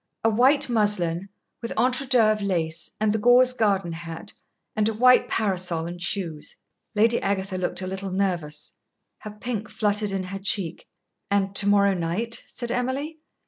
"A white muslin, with entre deux of lace, and the gauze garden hat, and a white parasol and shoes." Lady Agatha looked a little nervous; her pink fluttered in her cheek. "And to morrow night?" said Emily.